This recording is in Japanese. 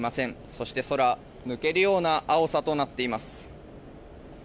そして空、抜けるような青さとなっています。